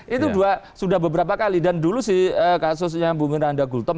itu sudah beberapa kali dan dulu sih kasusnya bu minanda gultom